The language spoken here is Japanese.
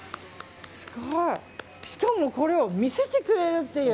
しかもこれを見せてくれるっていう。